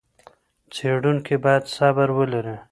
څېړونکی بايد صبر ولري.